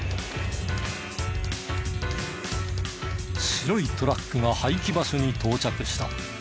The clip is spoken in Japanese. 白いトラックが廃棄場所に到着した。